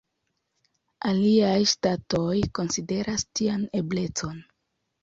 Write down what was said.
Aliaj ŝtatoj konsideras tian eblecon.